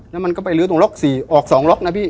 แล้วมันก็ไปลื้อตรงล็อก๔ออก๒ล็อกนะพี่